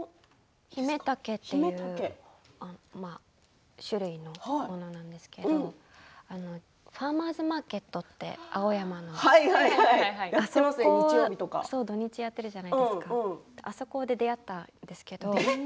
姫竹という種類のものなんですけれどファーマーズマーケットっていう青山に土日にやっているじゃないですかあそこで出会ったんですけれど。